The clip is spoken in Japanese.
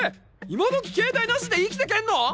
今どき携帯なしで生きてけんの！？